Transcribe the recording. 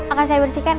akan saya bersihkan ya